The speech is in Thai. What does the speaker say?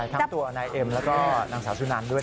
ทั้งตัวในเอ็มแล้วก็นางสาวด้านด้วยนะ